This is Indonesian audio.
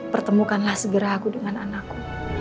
pertemukanlah segera aku dengan anakku